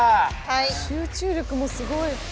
集中力もすごい。